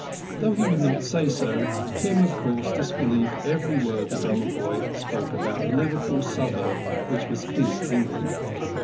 Though he would not say so, Kim of course disbelieved every word the drummer boy spoke about the Liverpool suburb which was his England.